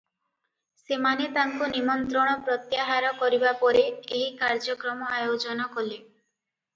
ସେମାନେ ତାଙ୍କୁ ନିମନ୍ତ୍ରଣ ପ୍ରତ୍ୟାହାର କରିବା ପରେ ଏହି କାର୍ଯ୍ୟକ୍ରମ ଆୟୋଜନ କଲେ ।